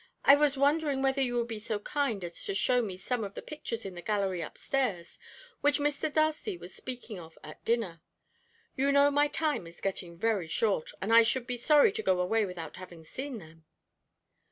I was wondering whether you would be so kind as to show me some of the pictures in the gallery upstairs, which Mr. Darcy was speaking of at dinner. You know my time is getting very short, and I should be sorry to go away without having seen them."